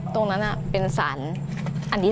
ตรงนั้นเป็นสารอันนี้